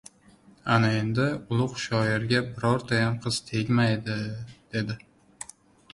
"Ana endi ulug‘ shoirga birortayam qiz tegmaydi! — dedi.